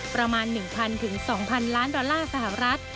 ประมาณ๑๐๐๒๐๐ล้านดอลลาร์สหรัฐ